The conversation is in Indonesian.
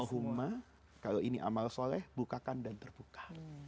huma kalau ini amal soleh bukakan dan terbuka